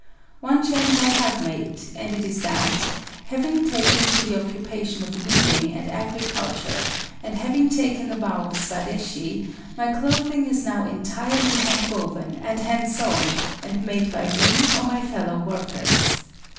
One change I have made and it is that, having taken to the occupation of weaving and agriculture and having taken the vow of Swadeshi, my clothing is now entirely hand woven and hand sewn and made by me or my fellow workers.